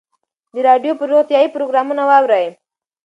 د راډیو روغتیایي پروګرامونه واورئ.